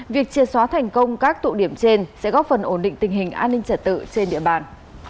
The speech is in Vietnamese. việc chia xóa thành công các tụ điểm trên sẽ góp phần ổn định tình hình an ninh trả tự trên địa bàn